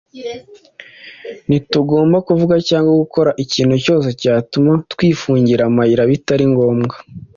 Ntitugomba kuvuga cyangwa gukora ikintu cyose cyatuma twifungira amayira bitari ngombwa.